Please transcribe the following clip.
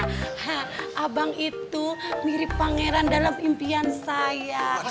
hahaha abang itu mirip pangeran dalam impian saya